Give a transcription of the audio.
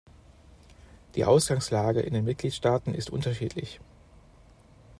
Die Ausgangslage in den Mitgliedstaaten ist unterschiedlich.